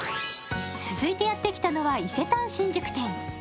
続いてやって来たのは伊勢丹新宿店。